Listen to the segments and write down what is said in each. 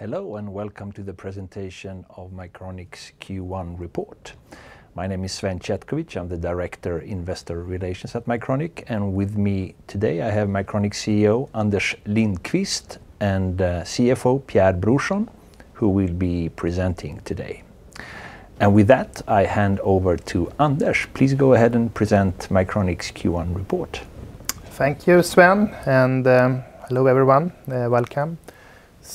Hello, and welcome to the presentation of Mycronic's Q1 report. My name is Sven Chetkovich. I'm the Director Investor Relations at Mycronic, and with me today I have Mycronic's CEO, Anders Lindqvist, and CFO, Pierre Brorsson, who will be presenting today. With that, I hand over to Anders. Please go ahead and present Mycronic's Q1 report. Thank you, Sven, and hello everyone. Welcome.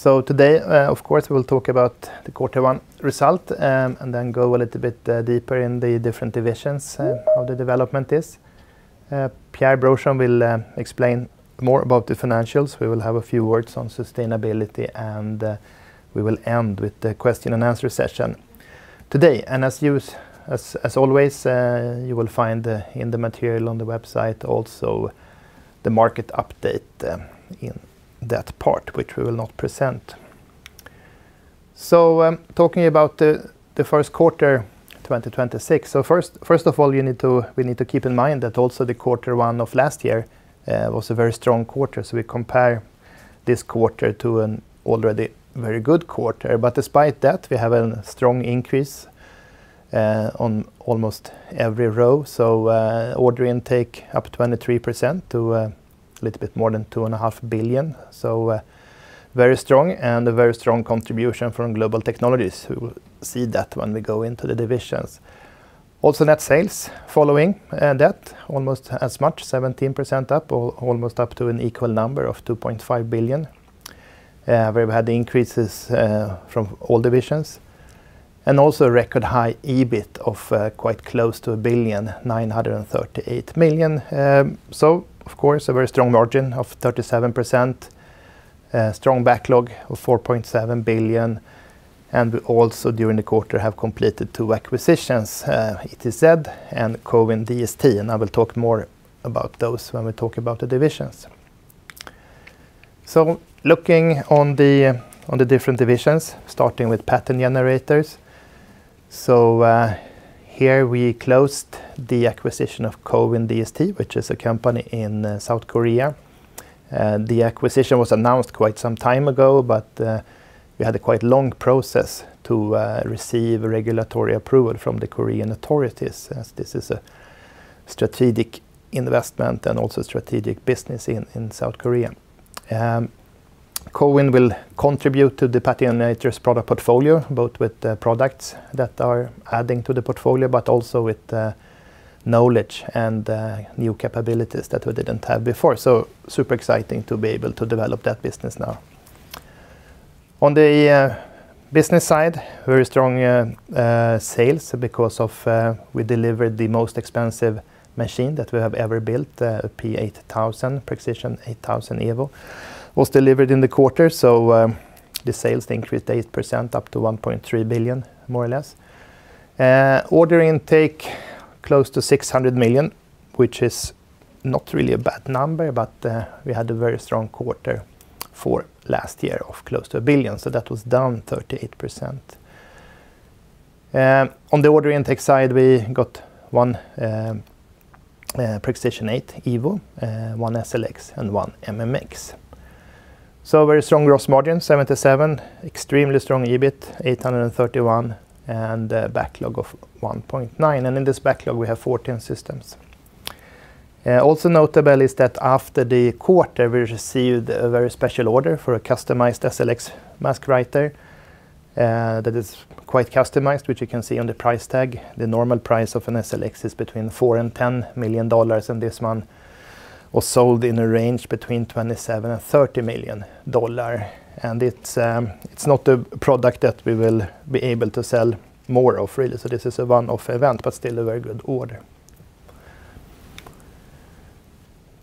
Today, of course, we'll talk about the quarter one result and then go a little bit deeper in the different divisions and how the development is. Pierre Brorsson will explain more about the financials. We will have a few words on sustainability, and we will end with the question-and-answer session. Today, and as always, you will find in the material on the website also the market update in that part, which we will not present. Talking about the first quarter 2026. First of all, we need to keep in mind that also the quarter one of last year was a very strong quarter. We compare this quarter to an already very good quarter. Despite that, we have a strong increase on almost every row. Order intake up 23% to a little bit more than 2.5 billion. Very strong, and a very strong contribution from Global Technologies. We will see that when we go into the divisions. Also net sales following that, almost as much, 17% up, or almost up to an equal number of 2.5 billion, where we had the increases from all divisions. And also record high EBIT of quite close to a billion, 938 million. So of course a very strong margin of 37%, strong backlog of 4.7 billion. We also during the quarter have completed two acquisitions, ETZ and Cowin DST, and I will talk more about those when we talk about the divisions. Looking on the different divisions, starting with Pattern Generators. Here we closed the acquisition of Cowin DST, which is a company in South Korea. The acquisition was announced quite some time ago, but we had a quite long process to receive regulatory approval from the Korean authorities as this is a strategic investment and also a strategic business in South Korea. Cowin will contribute to the Pattern Generators' product portfolio, both with the products that are adding to the portfolio, but also with the knowledge and the new capabilities that we didn't have before. Super exciting to be able to develop that business now. On the business side, very strong sales because of we delivered the most expensive machine that we have ever built, a P8000 Prexision 8000 Evo, was delivered in the quarter. The sales increased 8% up to 1.3 billion, more or less. Order intake close to 600 million, which is not really a bad number, but we had a very strong quarter for last year of close to 1 billion. That was down 38%. On the order intake side, we got one Prexision 8 Evo, one SLX, and one MMX. Very strong gross margin, 77%. Extremely strong EBIT, 831 million, and a backlog of 1.9 billion. In this backlog, we have 14 systems. Also notable is that after the quarter, we received a very special order for a customized SLX mask writer, that is quite customized, which you can see on the price tag. The normal price of an SLX is between $4 million and $10 million, and this one was sold in a range between $27 million and $30 million. It's not a product that we will be able to sell more of, really. This is a one-off event, but still a very good order.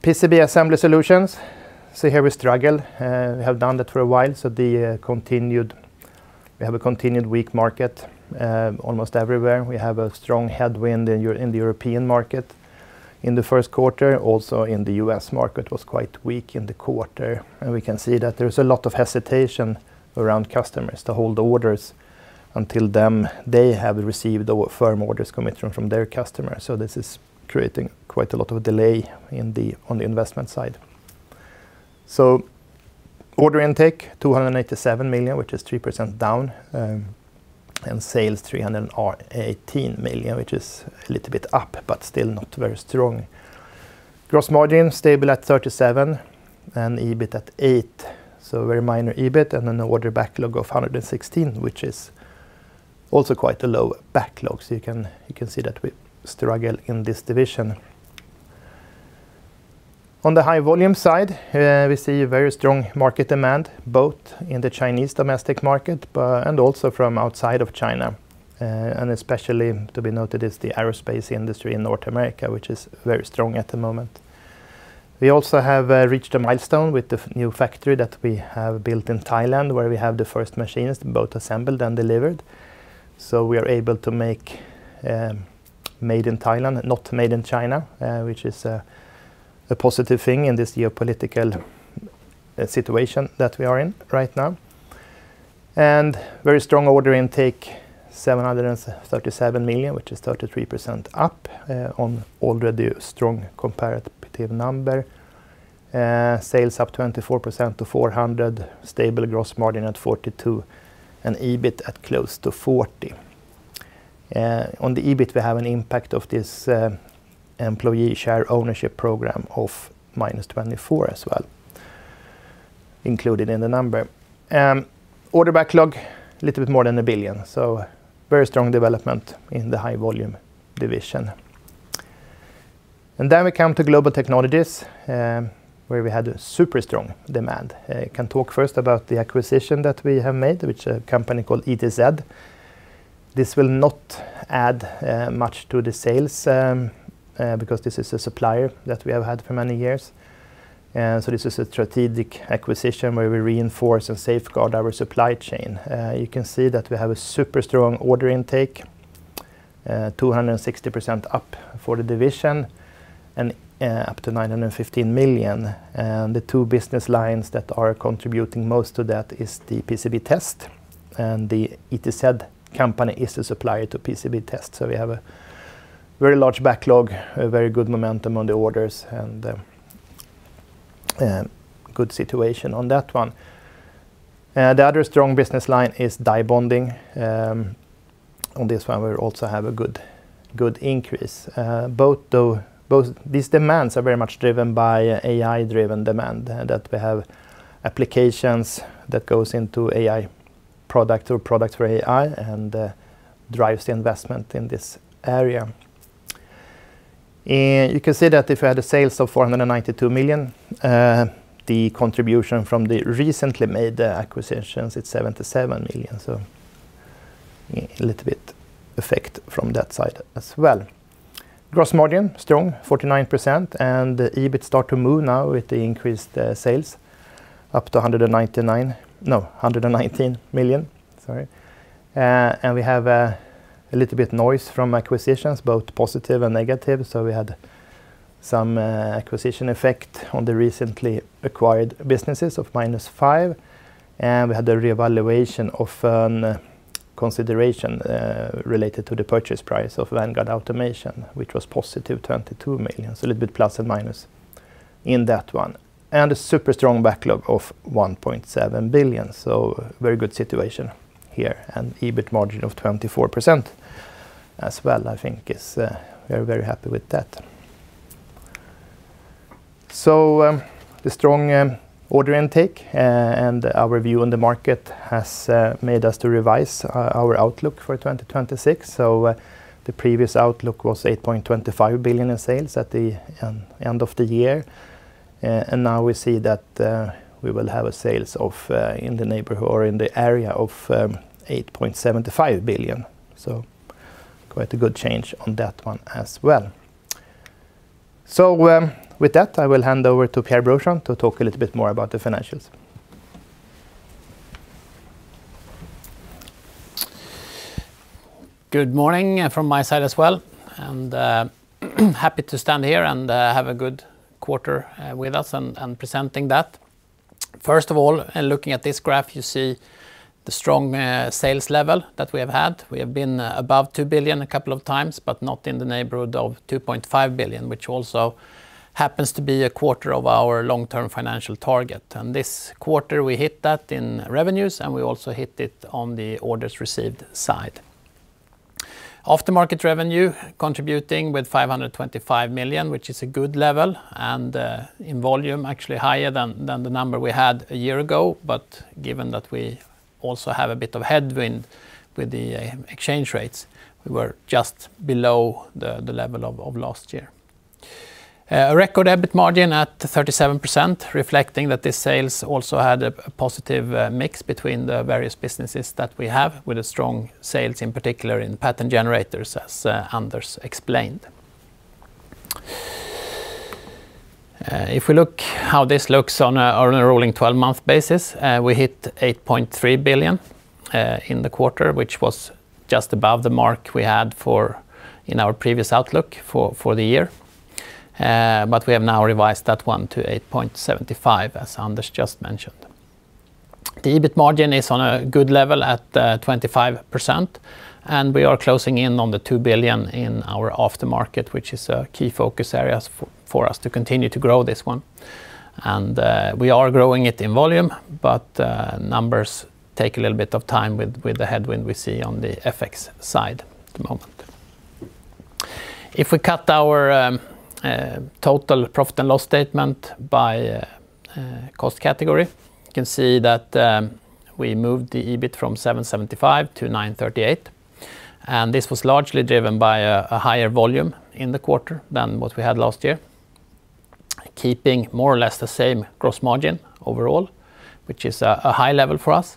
PCB Assembly Solutions. See here we struggle. We have done that for a while. We have a continued weak market almost everywhere. We have a strong headwind in the European market in the first quarter, also in the U.S. market was quite weak in the quarter. We can see that there's a lot of hesitation around customers to hold orders until they have received firm orders commitment from their customers. This is creating quite a lot of delay on the investment side. Order intake 287 million, which is 3% down, and sales 318 million, which is a little bit up, but still not very strong. Gross margin stable at 37% and EBIT 8 million, so a very minor EBIT, and an order backlog of 116 million, which is also quite a low backlog. You can see that we struggle in this division. On the high-volume side, we see very strong market demand, both in the Chinese domestic market and also from outside of China. Especially to be noted is the aerospace industry in North America, which is very strong at the moment. We also have reached a milestone with the new factory that we have built in Thailand, where we have the first machines both assembled and delivered. We are able to make made in Thailand, not made in China, which is a positive thing in this geopolitical situation that we are in right now. Very strong order intake, 737 million, which is 33% up, on already a strong comparative number. Sales up 24% to 400 million, stable gross margin at 42%, and EBIT at close to 40 million. On the EBIT, we have an impact of this employee share ownership program of -24 million as well, included in the number. Order backlog, a little bit more than 1 billion. Very strong development in the high-volume division. We come to Global Technologies, where we had a super strong demand. Can talk first about the acquisition that we have made, which is a company called ETZ. This will not add much to the sales, because this is a supplier that we have had for many years. This is a strategic acquisition where we reinforce and safeguard our supply chain. You can see that we have a super strong order intake, 260% up for the division and up to 915 million. The two business lines that are contributing most to that is the PCB test and the ETZ company is a supplier to PCB test. We have a very large backlog, a very good momentum on the orders, and good situation on that one. The other strong business line is die bonding. On this one, we also have a good increase. Both these demands are very much driven by AI-driven demand, and that we have applications that goes into AI product or product for AI and drives the investment in this area. You can see that we had sales of 492 million, the contribution from the recently made acquisitions, it's 77 million. A little bit effect from that side as well. Gross margin, strong, 49%, and EBIT start to move now with the increased sales up to 119 million. We have a little bit noise from acquisitions, both positive and negative, so we had some acquisition effect on the recently acquired businesses of -5 million. We had a reevaluation of consideration related to the purchase price of Vanguard Automation, which was +22 million, so a little bit plus and minus in that one. A super strong backlog of 1.7 billion, so very good situation here. EBIT margin of 24% as well, we are very happy with that. The strong order intake and our view on the market has made us to revise our outlook for 2026. The previous outlook was 8.25 billion in sales at the end of the year. Now we see that we will have sales in the neighborhood or in the area of 8.75 billion. Quite a good change on that one as well. With that, I will hand over to Pierre Brorsson to talk a little bit more about the financials. Good morning from my side as well, and happy to stand here and have a good quarter with us and presenting that. First of all, looking at this graph, you see the strong sales level that we have had. We have been above 2 billion a couple of times, but not in the neighborhood of 2.5 billion, which also happens to be a quarter of our long-term financial target. This quarter, we hit that in revenues, and we also hit it on the orders received side. Aftermarket revenue contributing with 525 million, which is a good level, and in volume, actually higher than the number we had a year ago. Given that we also have a bit of headwind with the exchange rates, we were just below the level of last year. A record EBIT margin at 37%, reflecting that the sales also had a positive mix between the various businesses that we have with a strong sales, in particular in Pattern Generators, as Anders explained. If we look how this looks on a rolling 12-month basis, we hit 8.3 billion in the quarter, which was just above the mark we had in our previous outlook for the year. We have now revised that one to 8.75 billion, as Anders just mentioned. The EBIT margin is on a good level at 25%, and we are closing in on 2 billion in our aftermarket, which is a key focus area for us to continue to grow this one. We are growing it in volume, but numbers take a little bit of time with the headwind we see on the FX side at the moment. If we cut our total profit and loss statement by cost category, you can see that we moved the EBIT from 775 to 938, and this was largely driven by a higher volume in the quarter than what we had last year, keeping more or less the same gross margin overall, which is a high level for us.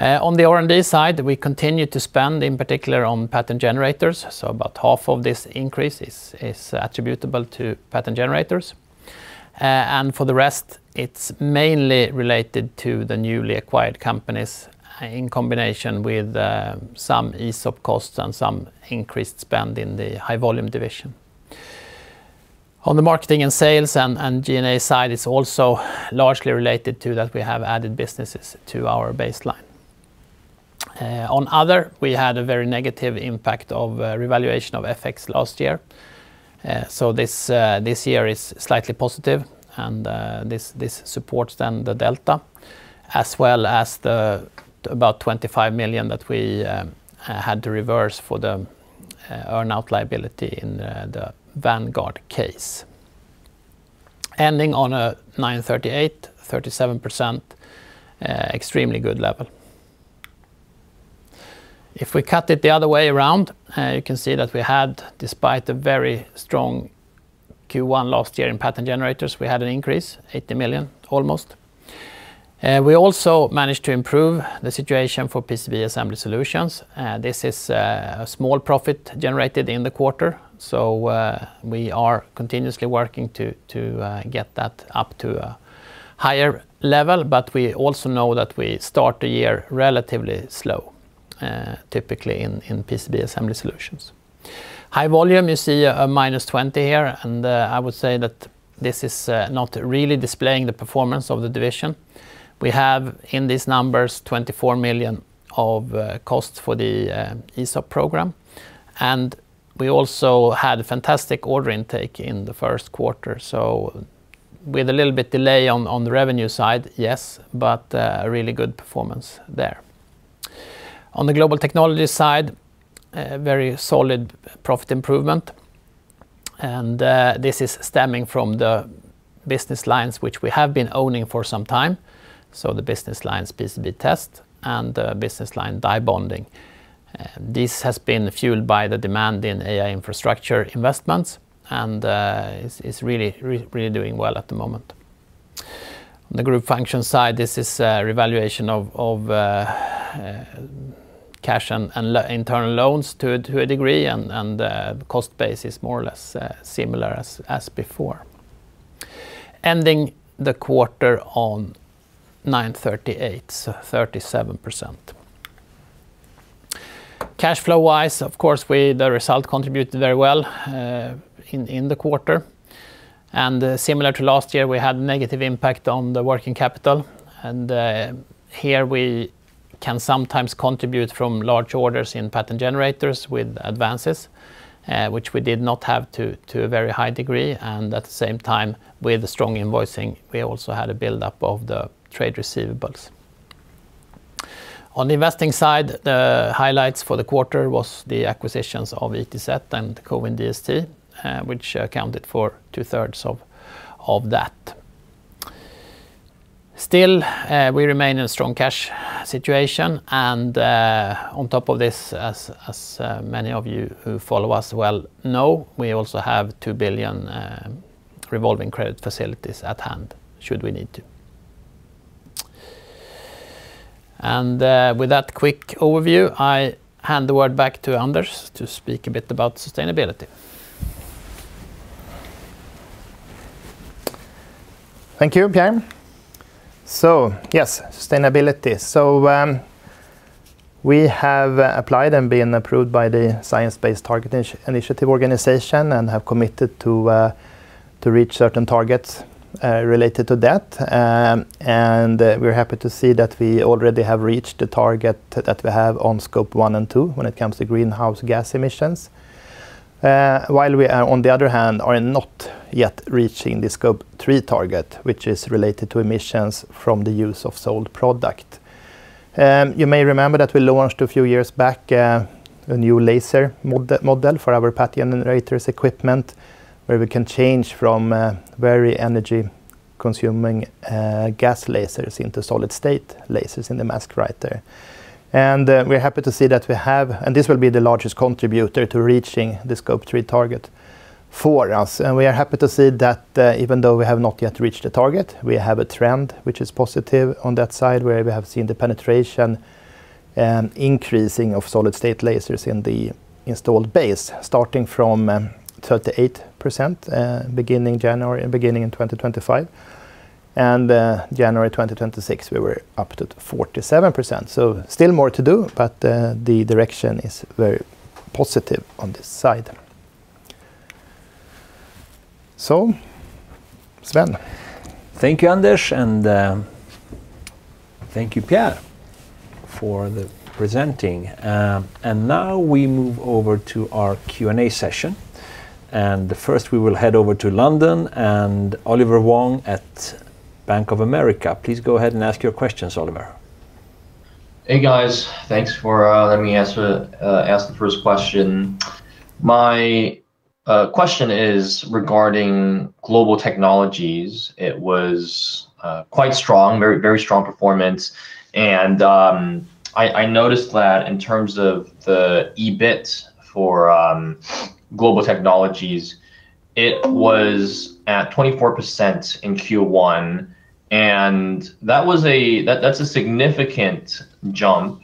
On the R&D side, we continue to spend, in particular on Pattern Generators, so about half of this increase is attributable to Pattern Generators. For the rest, it's mainly related to the newly acquired companies in combination with some ESOP costs and some increased spend in the high-volume division. On the marketing and sales and G&A side, it's also largely related to that we have added businesses to our baseline. On other, we had a very negative impact of revaluation of FX last year. This year is slightly positive and this supports then the delta as well as about 25 million that we had to reverse for the earn-out liability in the Vanguard case. Ending on a 938, 37%, extremely good level. If we cut it the other way around, you can see that we had, despite a very strong Q1 last year in Pattern Generators, we had an increase, 80 million almost. We also managed to improve the situation for PCB Assembly Solutions. This is a small profit generated in the quarter. We are continuously working to get that up to a higher level. We also know that we start the year relatively slow, typically in PCB Assembly Solutions. High volume, you see a -20 here, and I would say that this is not really displaying the performance of the division. We have in these numbers 24 million of costs for the ESOP program, and we also had a fantastic order intake in the first quarter. With a little bit delay on the revenue side, yes, but a really good performance there. On the Global Technologies side, a very solid profit improvement, and this is stemming from the business lines which we have been owning for some time. The business lines PCB test and the business line die bonding. This has been fueled by the demand in AI infrastructure investments and is really doing well at the moment. On the group function side, this is a revaluation of cash and internal loans to a degree, and the cost base is more or less similar as before. Ending the quarter on 938, so 37%. Cash flow-wise, of course, the result contributed very well in the quarter, and similar to last year, we had negative impact on the working capital, and here we can sometimes contribute from large orders in Pattern Generators with advances, which we did not have to a very high degree, and at the same time, with strong invoicing, we also had a buildup of the trade receivables. On the investing side, the highlights for the quarter was the acquisitions of ETZ and Cowin DST, which accounted for two-thirds of that. Still, we remain in a strong cash situation, and on top of this, as many of you who follow us well know, we also have 2 billion revolving credit facilities at hand should we need to. With that quick overview, I hand the word back to Anders to speak a bit about sustainability. Thank you, Pierre. Yes, sustainability. We have applied and been approved by the Science Based Targets initiative organization and have committed to reach certain targets related to that. We're happy to see that we already have reached the target that we have on Scope 1 and 2 when it comes to greenhouse gas emissions. While we are, on the other hand, not yet reaching the Scope 3 target, which is related to emissions from the use of sold product. You may remember that we launched a few years back a new laser model for our Pattern Generators equipment, where we can change from very energy-consuming gas lasers into solid-state lasers in the mask writer. We're happy to see that we have and this will be the largest contributor to reaching the Scope 3 target for us. We are happy to see that even though we have not yet reached the target, we have a trend which is positive on that side, where we have seen the penetration increasing of solid-state lasers in the installed base, starting from 38% beginning in January 2025. In January 2026, we were up to 47%. Still more to do, but the direction is very positive on this side. Sven. Thank you, Anders, and thank you, Pierre, for the presentation. Now we move over to our Q&A session. First we will head over to London and Oliver Wong at Bank of America. Please go ahead and ask your questions, Oliver. Hey, guys. Thanks for letting me ask the first question. My question is regarding Global Technologies. It was quite strong, very strong performance, and I noticed that in terms of the EBIT for Global Technologies, it was at 24% in Q1, and that's a significant jump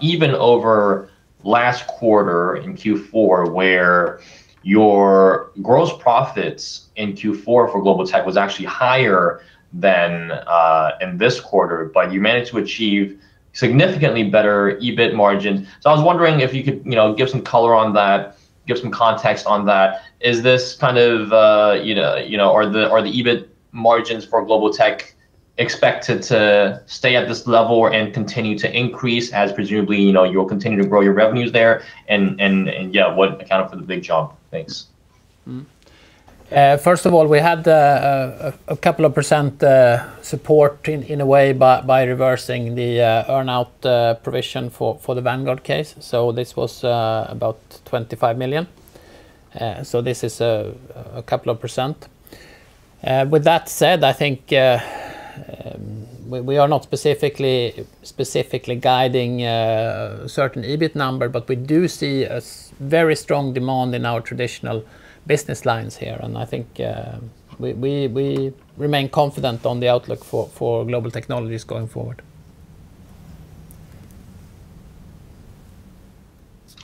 even over last quarter in Q4, where your gross profits in Q4 for Global Tech was actually higher than in this quarter, but you managed to achieve significantly better EBIT margins. I was wondering if you could give some color on that, give some context on that. Are the EBIT margins for Global Tech expected to stay at this level and continue to increase as presumably, you'll continue to grow your revenues there and, yeah, what accounted for the big jump? Thanks. First of all, we had a couple of percent support in a way by reversing the earn-out provision for the Vanguard case. This was about 25 million. This is a couple of percent. With that said, I think we are not specifically guiding a certain EBIT number, but we do see a very strong demand in our traditional business lines here. I think we remain confident on the outlook for Global Technologies going forward.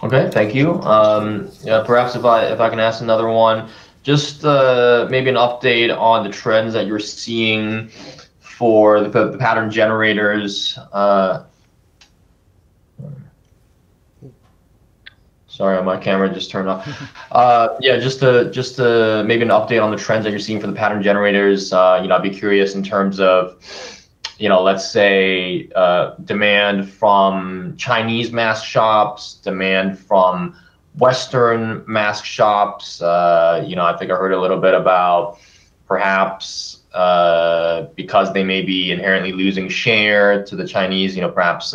Okay. Thank you. Yeah, perhaps if I can ask another one, just maybe an update on the trends that you're seeing for the Pattern Generators. Sorry, my camera just turned off. Yeah, just maybe an update on the trends that you're seeing for the Pattern Generators. I'd be curious in terms of let's say, demand from Chinese mask shops, demand from Western mask shops. I think I heard a little bit about perhaps, because they may be inherently losing share to the Chinese, perhaps,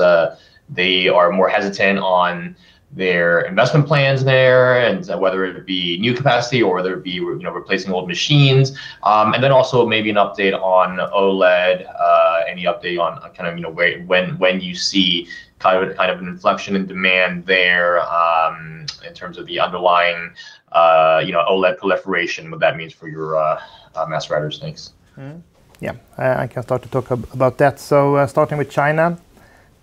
they are more hesitant on their investment plans there, and whether it would be new capacity or whether it would be replacing old machines. Then also maybe an update on OLED, any update on kind of when you see kind of an inflection in demand there, in terms of the underlying OLED proliferation, what that means for your mask writers. Thanks. I can start to talk about that. Starting with China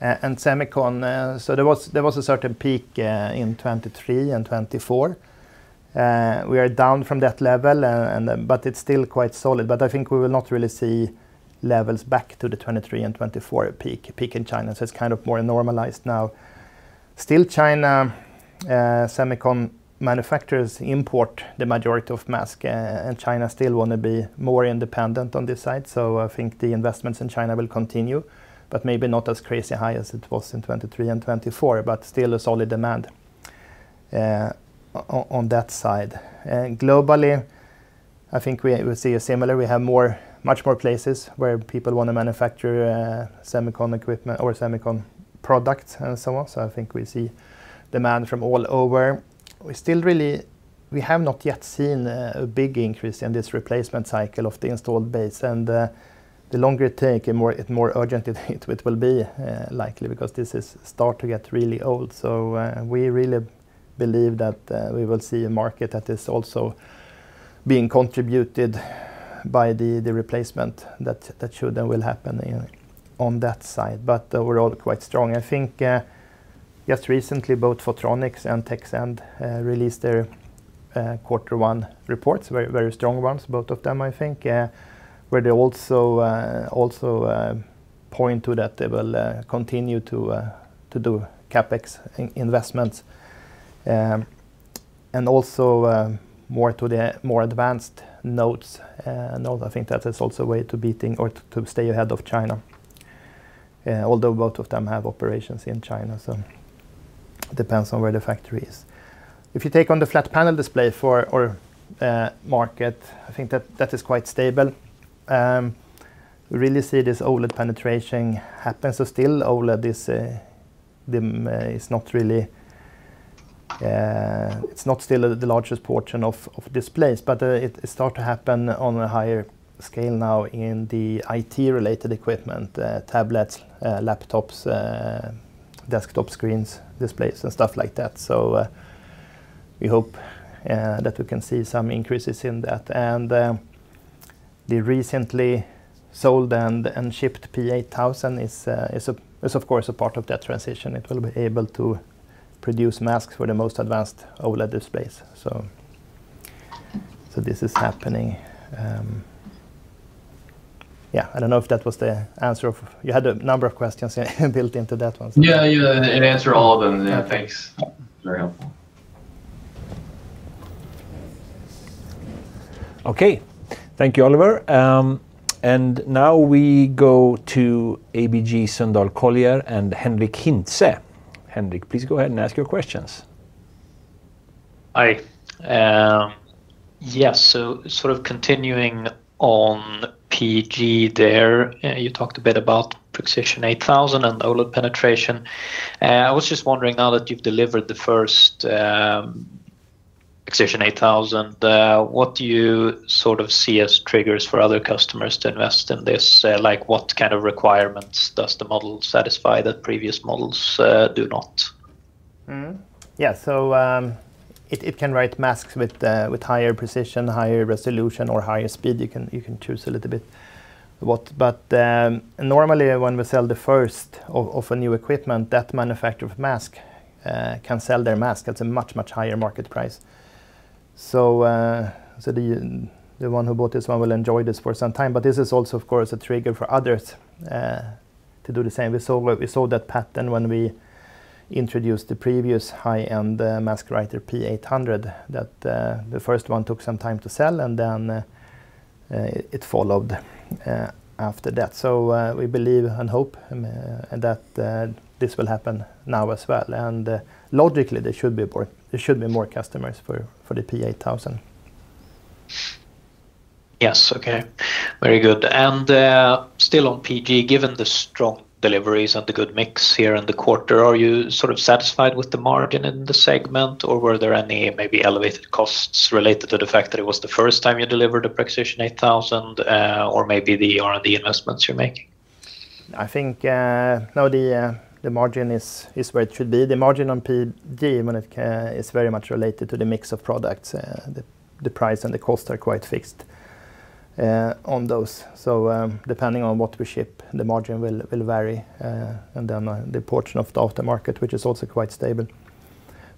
and semiconductor. There was a certain peak, in 2023 and 2024. We are down from that level but it's still quite solid. I think we will not really see levels back to the 2023 and 2024 peak in China. It's kind of more normalized now. Still, China semiconductor manufacturers import the majority of masks, and China still wants to be more independent on this side. I think the investments in China will continue, but maybe not as crazy high as it was in 2023 and 2024, but still a solid demand on that side. Globally, I think we will see a similar. We have many more places where people want to manufacture semiconductor equipment or semiconductor products and so on. I think we see demand from all over. We have not yet seen a big increase in this replacement cycle of the installed base. The longer it take, more urgent it will be, likely, because this is start to get really old. We really believe that we will see a market that is also being contributed by the replacement that should and will happen on that side. Overall, quite strong. I think just recently both Photronics and Tekscend released their quarter one reports, very strong ones, both of them, I think, where they also point to that they will continue to do CapEx investments. Also more to the more advanced nodes. I think that is also a way to beating or to stay ahead of China, although both of them have operations in China. Depends on where the factory is. If you take on the flat-panel display for our market, I think that is quite stable. We really see this OLED penetration happen. OLED is still not the largest portion of displays, but it starts to happen on a higher scale now in the IT-related equipment, tablets, laptops, desktop screens, displays and stuff like that. We hope that we can see some increases in that. The recently sold and shipped P8000 is of course a part of that transition. It will be able to produce masks for the most advanced OLED displays. This is happening. I don't know if that was the answer. You had a number of questions built into that one. Yeah. It answered all of them. Yeah. Thanks. Very helpful. Okay. Thank you, Oliver. Now we go to ABG Sundal Collier and Henric Hintze. Henric, please go ahead and ask your questions. Hi. Yes. Sort of continuing on PG there, you talked a bit about Prexision 8000 and OLED penetration. I was just wondering now that you've delivered the first Prexision 8000, what do you sort of see as triggers for other customers to invest in this? Like what kind of requirements does the model satisfy that previous models do not? Yeah. It can write masks with higher precision, higher resolution or higher speed. You can choose a little bit. Normally when we sell the first of a new equipment, that manufacturer of mask can sell their mask at a much, much higher market price. The one who bought this one will enjoy this for some time. This is also, of course, a trigger for others to do the same. We saw that pattern when we introduced the previous high-end mask writer, P800, that the first one took some time to sell, and then it followed after that. We believe and hope that this will happen now as well. Logically, there should be more customers for the P8000. Yes. Okay. Very good. Still on PG, given the strong deliveries and the good mix here in the quarter, are you satisfied with the margin in the segment, or were there any maybe elevated costs related to the fact that it was the first time you delivered a Prexision 8000, or maybe the R&D investments you're making? I think, no, the margin is where it should be. The margin on PG is very much related to the mix of products. The price and the cost are quite fixed on those. Depending on what we ship, the margin will vary. The portion of the aftermarket, which is also quite stable.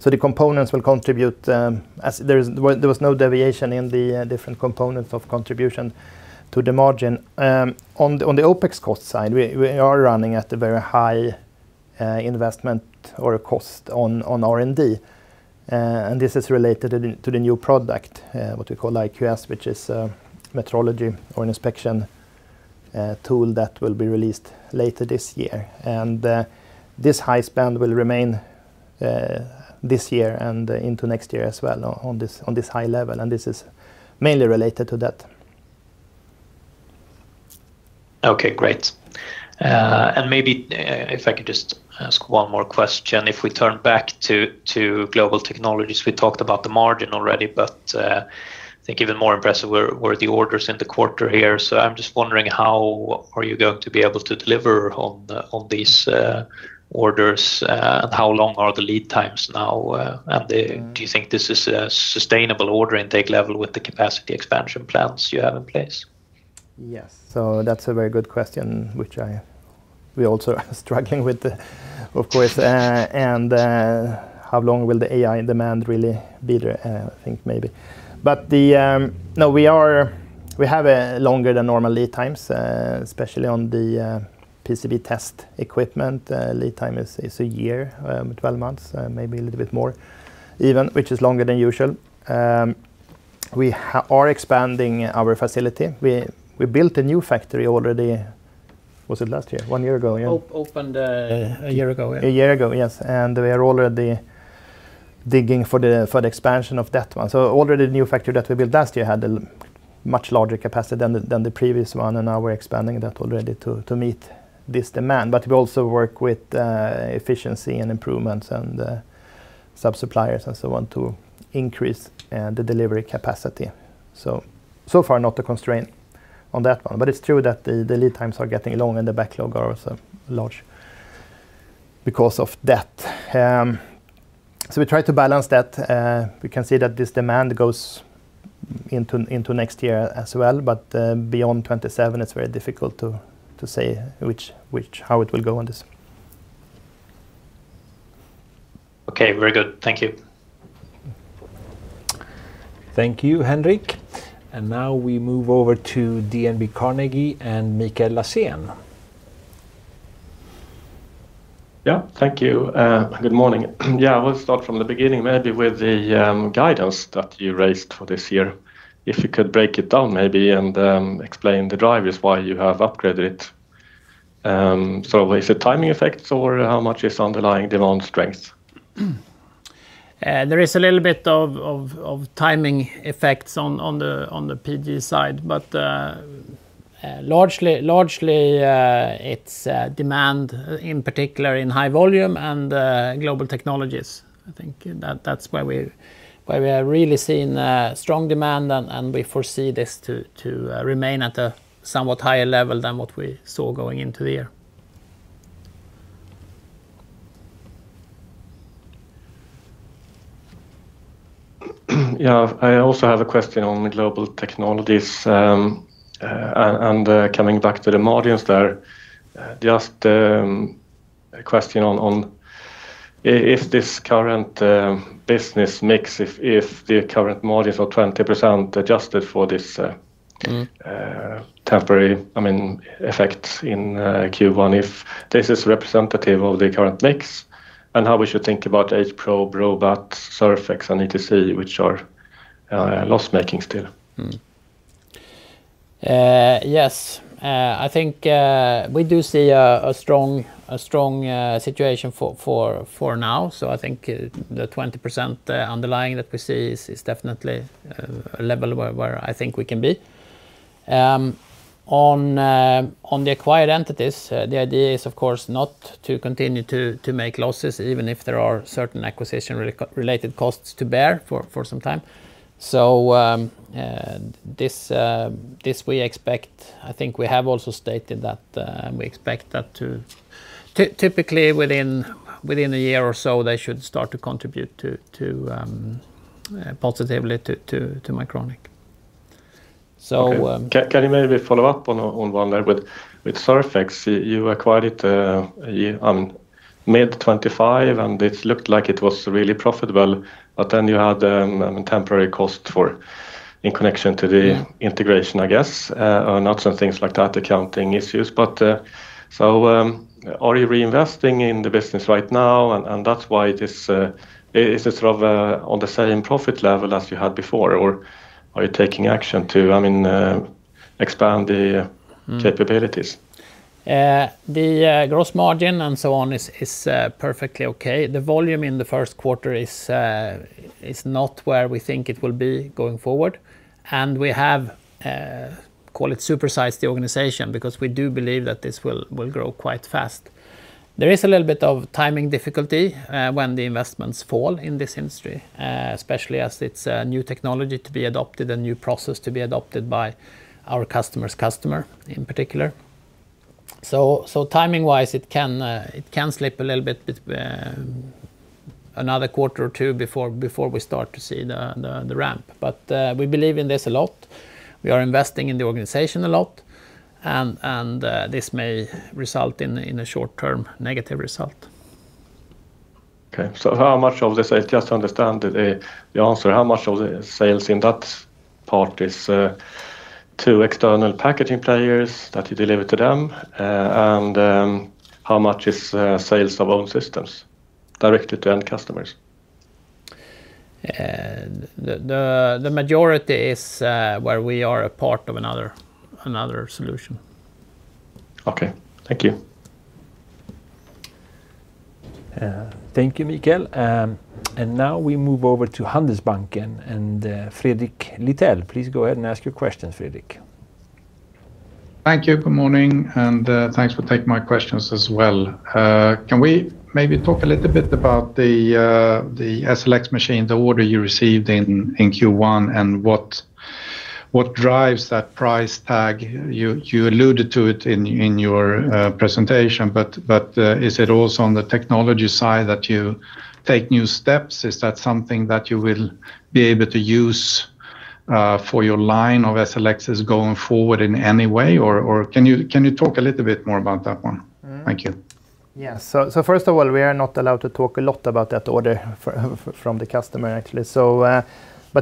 The components will contribute, as there was no deviation in the different components of contribution to the margin. On the OpEx cost side, we are running at a very high investment or a cost on R&D. This is related to the new product, what we call IQS, which is metrology or inspection tool that will be released later this year. This high spend will remain this year and into next year as well on this high level. This is mainly related to that. Okay, great. Maybe, if I could just ask one more question, if we turn back to Global Technologies, we talked about the margin already, but I think even more impressive were the orders in the quarter here. I'm just wondering how are you going to be able to deliver on these orders, and how long are the lead times now? Do you think this is a sustainable order intake level with the capacity expansion plans you have in place? Yes. That's a very good question, which we also are struggling with, of course. How long will the AI demand really be there? I think maybe. No, we have longer than normal lead times, especially on the PCB test equipment. Lead time is a year, 12 months, maybe a little bit more even, which is longer than usual. We are expanding our facility. We built a new factory already. Was it last year? One year ago, yeah. Opened a year ago, yeah. A year ago, yes. We are already digging for the expansion of that one. Already the new factory that we built last year had a much larger capacity than the previous one, and now we're expanding that already to meet this demand. We also work with efficiency and improvements and sub-suppliers and so on to increase the delivery capacity. So far not a constraint on that one, but it's true that the lead times are getting long and the backlog are also large because of that. We try to balance that. We can see that this demand goes into next year as well. Beyond 2027, it's very difficult to say how it will go on this. Okay. Very good. Thank you. Thank you, Henric. Now we move over to DNB Carnegie and Mikael Lassen. Yeah, thank you. Good morning. Yeah, we'll start from the beginning, maybe with the guidance that you raised for this year. If you could break it down maybe, and explain the drivers why you have upgraded it. Is it timing effects, or how much is underlying demand strength? There is a little bit of timing effects on the PG side. Largely, it's demand, in particular in high volume and Global Technologies. I think that's where we have really seen strong demand, and we foresee this to remain at a somewhat higher level than what we saw going into the year. Yeah, I also have a question on Global Technologies. Coming back to the margins there, just a question on if the current margin for 20% adjusted for this- Mm-hmm temporary effects in Q1, if this is representative of the current mix, and how we should think about Hprobe, RoyoTech, Surfx, and ETZ, which are loss-making still. Yes. I think we do see a strong situation for now. I think the 20% underlying that we see is definitely a level where I think we can be. On the acquired entities, the idea is, of course, not to continue to make losses, even if there are certain acquisition-related costs to bear for some time. This we expect, I think we have also stated that we expect that to, typically within a year or so, they should start to contribute positively to Mycronic. Can you maybe follow up on one there with Surfx? You acquired it mid 2025, and it looked like it was really profitable, but then you had a temporary cost in connection to the integration, I guess, or not, some things like that, accounting issues. Are you reinvesting in the business right now, and that's why it is on the same profit level as you had before? Or are you taking action to expand the capabilities? The gross margin and so on is perfectly okay. The volume in the first quarter is not where we think it will be going forward. We have, call it, supersized the organization because we do believe that this will grow quite fast. There is a little bit of timing difficulty when the investments fall in this industry, especially as it's a new technology to be adopted, a new process to be adopted by our customer's customer in particular. Timing-wise, it can slip a little bit, another quarter or two before we start to see the ramp. We believe in this a lot. We are investing in the organization a lot, and this may result in a short-term negative result. Okay. How much of this, just to understand the answer, how much of the sales in that part is to external packaging players that you deliver to them? How much is sales of own systems directly to end customers? The majority is where we are a part of another solution. Okay. Thank you. Thank you, Mikael. Now we move over to Handelsbanken and Fredrik Lithell. Please go ahead and ask your questions, Fredrik. Thank you. Good morning, and thanks for taking my questions as well. Can we maybe talk a little bit about the SLX machine, the order you received in Q1, and what drives that price tag? You alluded to it in your presentation, but is it also on the technology side that you take new steps? Is that something that you will be able to use for your line of SLXs going forward in any way, or can you talk a little bit more about that one? Thank you. Yes. First of all, we are not allowed to talk a lot about that order from the customer, actually.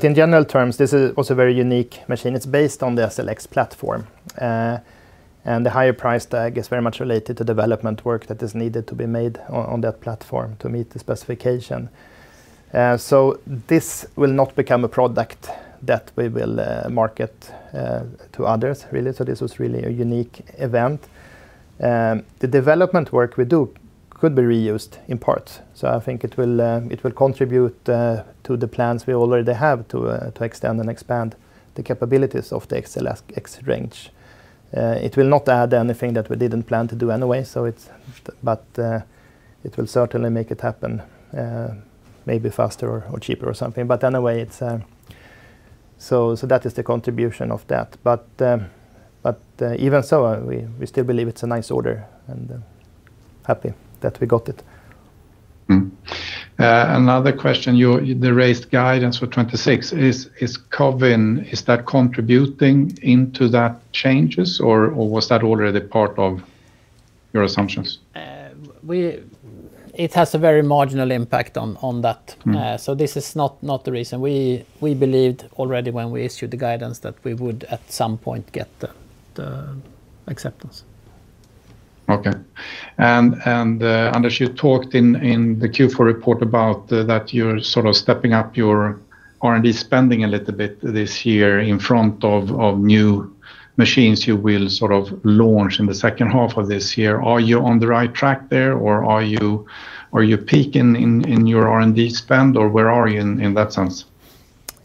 In general terms, this is also a very unique machine. It's based on the SLX platform. The higher price tag is very much related to development work that is needed to be made on that platform to meet the specification. This will not become a product that we will market to others, really. This was really a unique event. The development work we do could be reused in part. I think it will contribute to the plans we already have to extend and expand the capabilities of the SLX range. It will not add anything that we didn't plan to do anyway, but it will certainly make it happen, maybe faster or cheaper or something. Anyway, that is the contribution of that. Even so, we still believe it's a nice order, and happy that we got it. Another question, you raised guidance for 2026. Is COVID, is that contributing to those changes, or was that already part of your assumptions? It has a very marginal impact on that. Mm-hmm. This is not the reason. We believed already when we issued the guidance that we would, at some point, get the acceptance. Okay. Anders, you talked in the Q4 report about that you're sort of stepping up your R&D spending a little bit this year in front of new machines you will sort of launch in the second half of this year. Are you on the right track there, or are you peaking in your R&D spend, or where are you in that sense?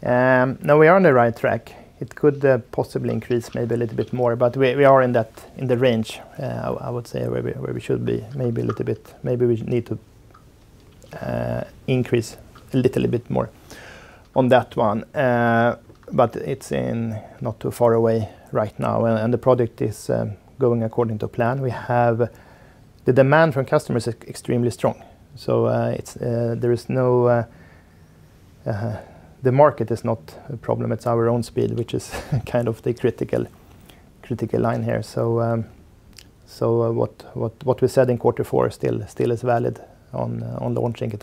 No, we are on the right track. It could possibly increase maybe a little bit more, but we are in the range, I would say, where we should be. Maybe we need to increase a little bit more on that one. It's not too far away right now, and the product is going according to plan. The demand from customers is extremely strong. The market is not a problem, it's our own speed, which is kind of the critical line here. What we said in quarter four still is valid on launching it.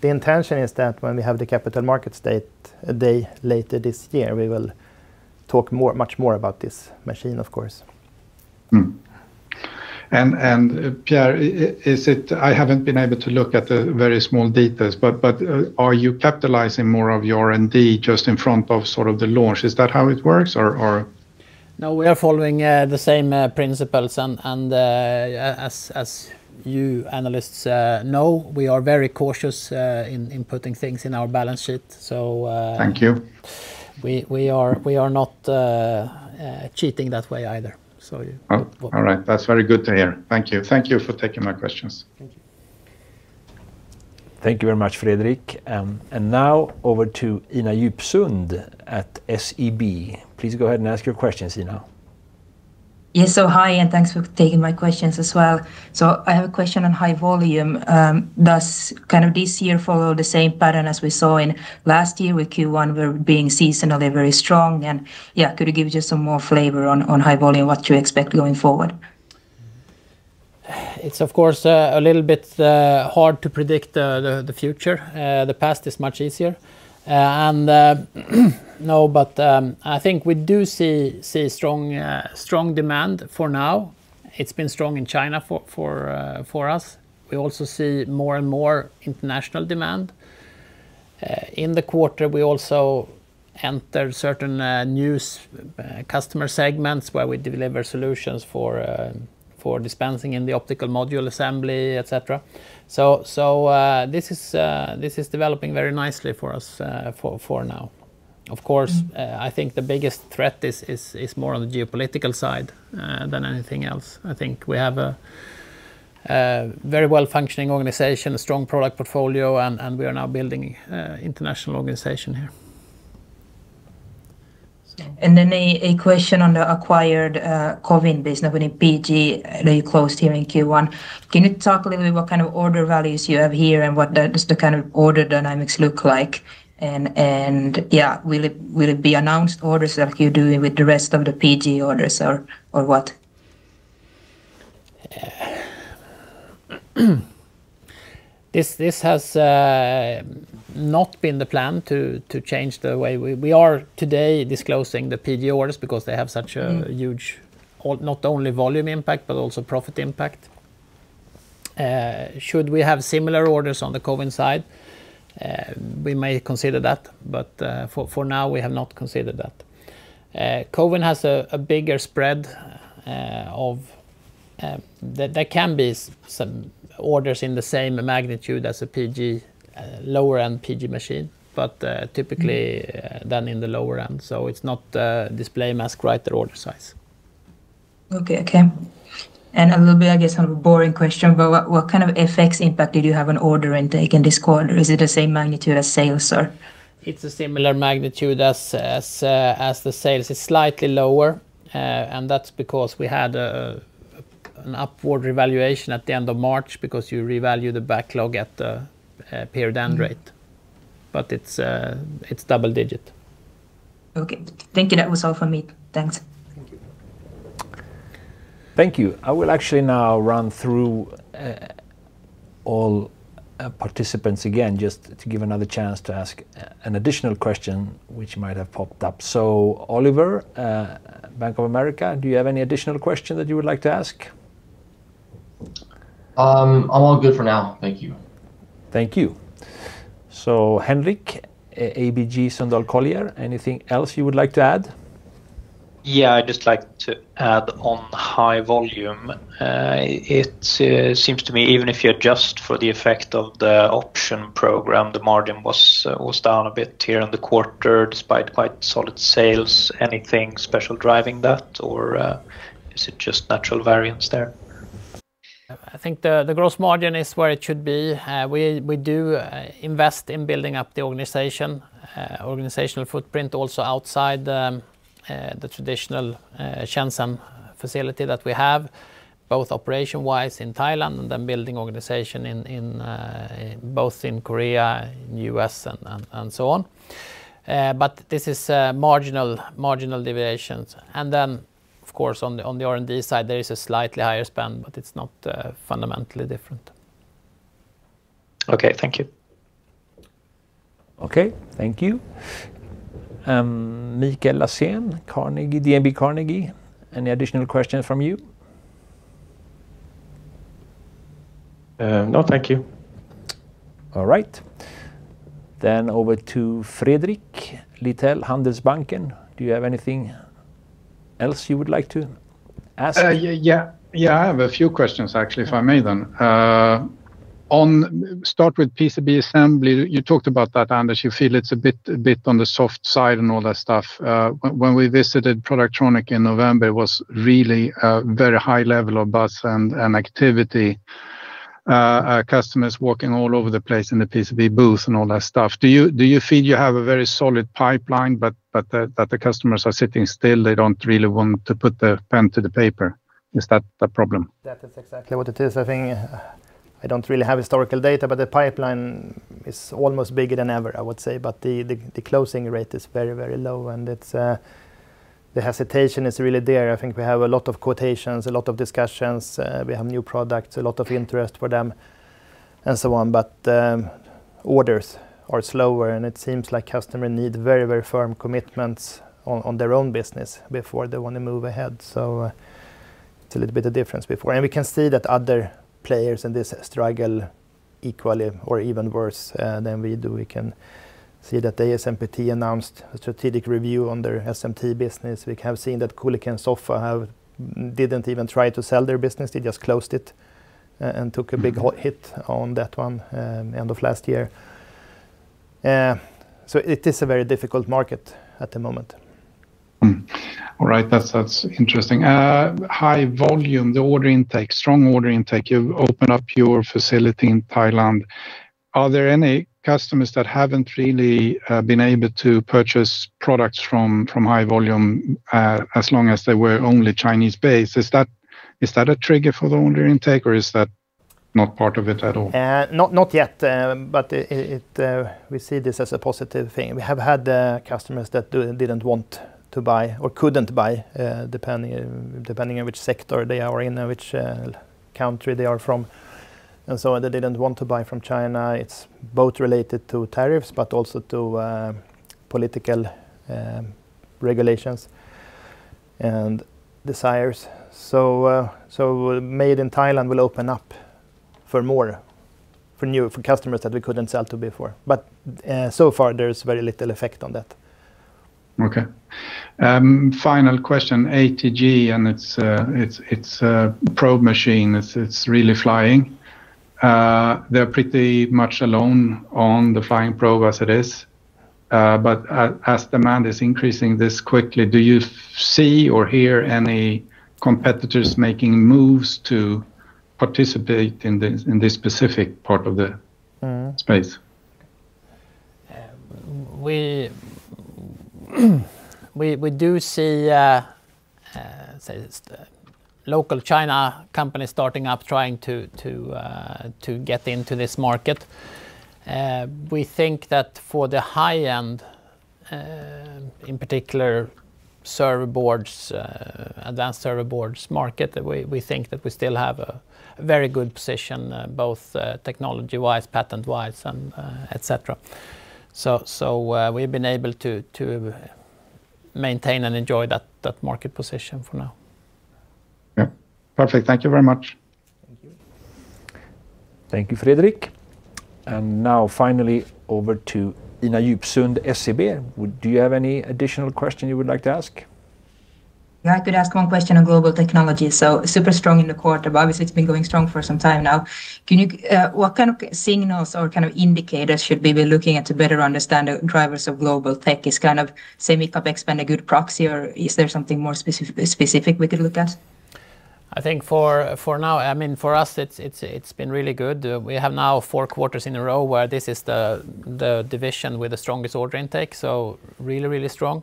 The intention is that when we have the Capital Markets Day later this year, we will talk much more about this machine, of course. Pierre, I haven't been able to look at the very small details, but are you capitalizing more of your R&D just in front of sort of the launch? Is that how it works, or? No, we are following the same principles, and as you analysts know, we are very cautious in putting things in our balance sheet. Thank you. We are not cheating that way either, so you All right. That's very good to hear. Thank you. Thank you for taking my questions. Thank you. Thank you very much, Fredrik. Now over to Ina Djupsund at SEB. Please go ahead and ask your questions, Ina. Yes. Hi, and thanks for taking my questions as well. I have a question on High Volume. Does this year follow the same pattern as we saw in last year with Q1 being seasonally very strong, and yeah, could you give just some more flavor on High Volume, what you expect going forward? It's of course a little bit hard to predict the future. The past is much easier. No, but I think we do see strong demand for now. It's been strong in China for us. We also see more and more international demand. In the quarter, we also enter certain new customer segments where we deliver solutions for dispensing in the optical module assembly, et cetera. This is developing very nicely for us for now. Of course, I think the biggest threat is more on the geopolitical side than anything else. I think we have a very well-functioning organization, a strong product portfolio, and we are now building international organization here. A question on the acquired Cowin business within PG that you closed here in Q1. Can you talk a little bit what kind of order values you have here and what does the kind of order dynamics look like and, yeah, will it be announced orders like you're doing with the rest of the PG orders or what? This has not been the plan to change the way we are today disclosing the PG orders because they have such a huge, not only volume impact, but also profit impact. Should we have similar orders on the Cowin side, we may consider that, but for now we have not considered that. Cowin has a bigger spread. There can be some orders in the same magnitude as a lower-end PG machine, but typically they're in the lower end. It's not display mask writer order size. Okay. A little bit, I guess, sort of a boring question, but what kind of effects impact did you have on order intake in this quarter? Is it the same magnitude as sales or? It's a similar magnitude as the sales. It's slightly lower, and that's because we had an upward revaluation at the end of March because you revalue the backlog at the period end rate, but it's double-digit. Okay. Thank you. That was all for me. Thanks. Thank you. Thank you. I will actually now run through all participants again, just to give another chance to ask an additional question which might have popped up. Oliver, Bank of America, do you have any additional question that you would like to ask? I'm all good for now. Thank you. Thank you. Henric, ABG Sundal Collier, anything else you would like to add? Yeah, I'd just like to add on high volume. It seems to me, even if you adjust for the effect of the option program, the margin was down a bit here in the quarter, despite quite solid sales. Anything special driving that or is it just natural variance there? I think the gross margin is where it should be. We do invest in building up the organizational footprint also outside the traditional Shenzhen facility that we have, both operation-wise in Thailand and then building organization both in Korea, in U.S., and so on. This is marginal deviations. Of course, on the R&D side, there is a slightly higher spend, but it's not fundamentally different. Okay. Thank you. Okay. Thank you. Mikael Lassen, DNB Carnegie, any additional questions from you? No, thank you. All right. Over to Fredrik Lithell, Handelsbanken. Do you have anything else you would like to ask? Yeah. I have a few questions actually, if I may then. Start with PCB assembly, you talked about that, Anders, you feel it's a bit on the soft side and all that stuff. When we visited Productronica in November, it was really a very high level of buzz and activity, customers walking all over the place in the PCB booth and all that stuff. Do you feel you have a very solid pipeline, but that the customers are sitting still, they don't really want to put the pen to the paper? Is that the problem? That is exactly what it is. I think I don't really have historical data, but the pipeline is almost bigger than ever, I would say, but the closing rate is very, very low and the hesitation is really there. I think we have a lot of quotations, a lot of discussions. We have new products, a lot of interest for them, and so on. Orders are slower, and it seems like customers need very firm commitments on their own business before they want to move ahead. It's a little bit different from before. We can see that other players in this are struggling equally or even worse than we do. We can see that ASMPT announced a strategic review on their SMT business. We have seen that Kulicke & Soffa didn't even try to sell their business. They just closed it and took a big hit on that one end of last year. It is a very difficult market at the moment. All right. That's interesting. High Volume, the order intake, strong order intake. You've opened up your facility in Thailand. Are there any customers that haven't really been able to purchase products from High Volume as long as they were only Chinese-based? Is that a trigger for the order intake, or is that not part of it at all? Not yet, but we see this as a positive thing. We have had customers that didn't want to buy or couldn't buy, depending on which sector they are in or which country they are from. They didn't want to buy from China. It's both related to tariffs, but also to political regulations and desires. Made in Thailand will open up for more, for customers that we couldn't sell to before. So far there's very little effect on that. Okay. Final question. ATG and its probe machine. It's really flying. They're pretty much alone on the flying probe as it is. As demand is increasing this quickly, do you see or hear any competitors making moves to participate in this specific part of the space? We do see local China companies starting up trying to get into this market. We think that for the high-end, in particular server boards, advanced server boards market, we think that we still have a very good position both technology-wise, patent-wise, and et cetera. We've been able to maintain and enjoy that market position for now. Yeah. Perfect. Thank you very much. Thank you. Thank you, Fredrik. Now finally over to Ina Djupsund, SEB. Do you have any additional question you would like to ask? Yeah, I could ask one question on Global Technologies. Super strong in the quarter, but obviously it's been going strong for some time now. What kind of signals or kind of indicators should we be looking at to better understand the drivers of Global Tech? Is kind of semi-cap CapEx a good proxy or is there something more specific we could look at? I think for now, for us, it's been really good. We have now four quarters in a row where this is the division with the strongest order intake, so really strong.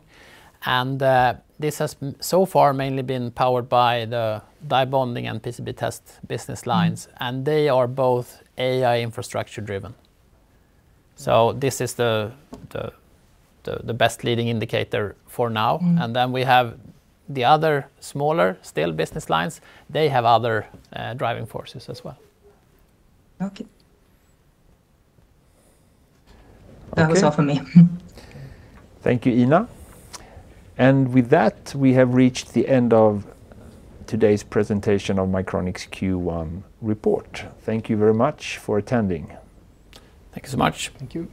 This has so far mainly been powered by the die bonding and PCB test business lines, and they are both AI infrastructure driven. This is the best leading indicator for now. Mm. We have the other smaller still business lines. They have other driving forces as well. Okay. Okay. That was all for me. Thank you, Ina. With that, we have reached the end of today's presentation of Mycronic Q1 report. Thank you very much for attending. Thank you so much. Thank you.